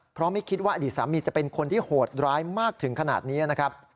เพราะไม่คิดว่าอดีตสามีจะเป็นคนที่โหดร้ายมากถึงขนาดนี้นะครับ